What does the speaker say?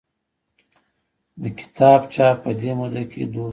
د کتاب چاپ په دې موده کې دود شو.